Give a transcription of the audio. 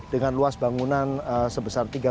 dengan luas bangunan sebagiannya